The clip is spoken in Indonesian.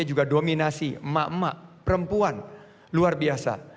juga dominasi emak emak perempuan luar biasa